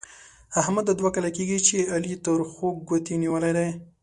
احمد دا دوه کاله کېږي چې علي تر خوږ ګوتې نيولې دی.